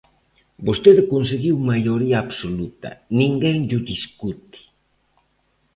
Vostede conseguiu maioría absoluta, ninguén llo discute.